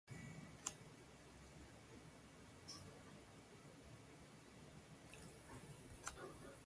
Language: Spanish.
La matriz tendrá un inverso si y sólo si su determinante no es cero.